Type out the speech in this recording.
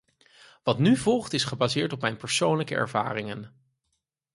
Wat nu volgt is gebaseerd op mijn persoonlijke ervaringen.